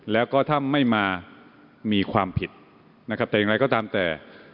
แล้วก็ถ้าไม่มามีความผิดนะครับแต่อย่างไรก็ตามแต่